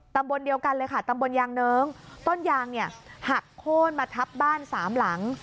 ตำบลเดียวกันเลยค่ะตำบลยางเนิ้งต้นยางเนี่ยหักโค้นมาทับบ้านสามหลัง